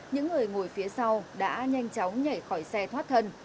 những người ngồi phía sau đã nhanh chóng nhảy khỏi xe thoát thân